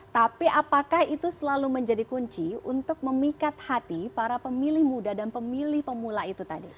tapi apakah itu selalu menjadi kunci untuk memikat hati para pemilih muda dan pemilih pemula itu tadi